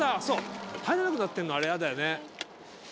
入らなくなってるのあれ嫌だよね。